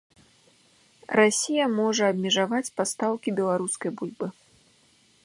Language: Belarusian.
Расія можа абмежаваць пастаўкі беларускай бульбы.